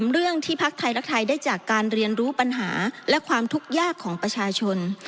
เรื่องที่พักไทยรักไทยได้จากการเรียนรู้ปัญหาและความทุกข์ยากของประชาชน